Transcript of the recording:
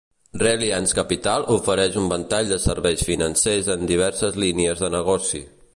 Reliance Capital ofereix un ventall de serveis financers en diverses línies de negoci.